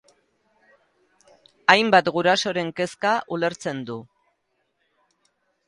Hainbat gurasoren kezka ulertzen du.